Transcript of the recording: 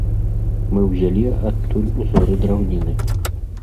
Мы ўзялі адтуль узоры драўніны.